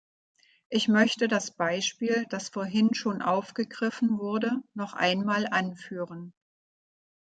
Ich möchte das Beispiel, das vorhin schon aufgegriffen wurde, noch einmal anführen.